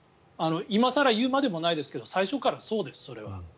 今更言うまでもないですが最初からそうです、それは。